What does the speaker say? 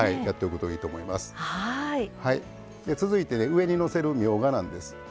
続いて、上にのせるみょうがなんです。